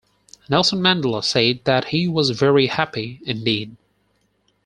Nelson Mandela said that he was "very happy indeed".